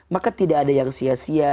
maka tidak ada yang sia sia